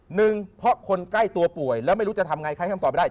หนึ่งเพราะคนใกล้ตัวป่วยแล้วไม่รู้จะทำไงใครให้คำตอบไม่ได้